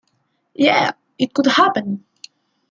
Yeah, it could happen.